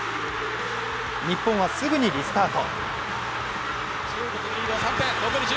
日本はすぐにリスタート。